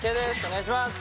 お願いします！